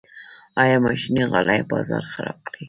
آیا ماشیني غالۍ بازار خراب کړی؟